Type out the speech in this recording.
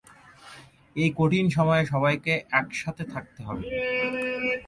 এই কঠিন সময়ে সবাইকে একসাথে থাকতে হবে।